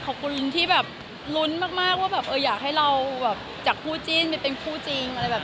ขอบคุณที่แบบหลุ้นมากว่าอยากให้เราจากผู้จริงไปเป็นผู้จริง